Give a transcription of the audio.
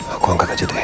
aku angkat aja deh